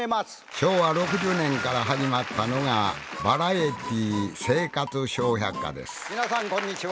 昭和６０年から始まったのが「バラエティー生活笑百科」です皆さんこんにちは。